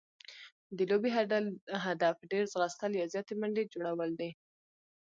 د لوبي هدف ډېر ځغستل يا زیاتي منډي جوړول دي.